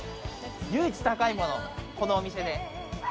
このお店で。